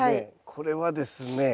これはですね